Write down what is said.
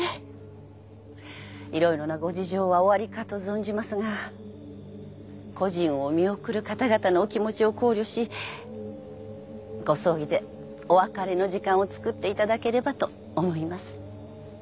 色々なご事情はおありかと存じますが故人を見送る方々のお気持ちを考慮しご葬儀でお別れの時間をつくっていただければと思います。